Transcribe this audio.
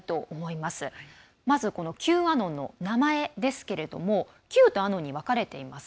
まず、Ｑアノンの名前ですがＱとアノンに分かれています。